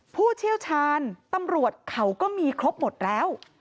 ผู้เชี่ยวชาญตำรวจเขาก็มีครบหมดแล้ว